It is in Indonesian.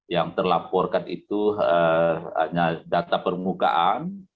yang terlaporkan itu hanya data permukaan